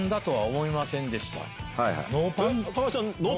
高橋さん